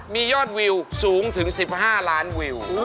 มียอดวิวสูงถึง๑๕ล้านวิว